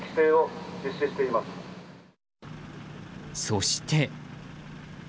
そして。